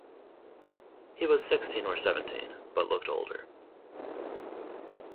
He was sixteen or seventeen but looked older.